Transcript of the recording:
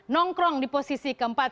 nongkrong di posisi keempat